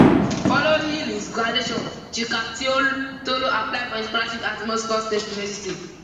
Following his graduation, Chikatilo applied for a scholarship at Moscow State University.